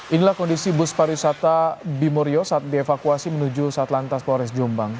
inilah kondisi bus pariwisata bimoryo saat dievakuasi menuju satlantas polres jombang